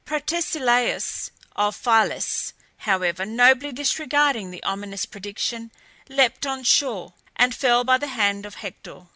Protesilaus of Phylace, however, nobly disregarding the ominous prediction, leaped on shore, and fell by the hand of Hector.